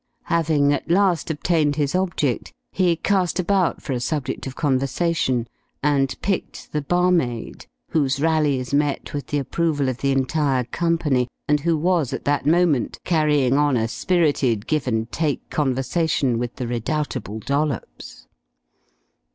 Having at last obtained his object, he cast about for a subject of conversation and picked the barmaid whose rallies met with the approval of the entire company, and who was at that moment carrying on a spirited give and take conversation with the redoubtable Dollops.